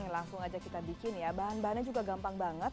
langsung aja kita bikin ya bahan bahannya juga gampang banget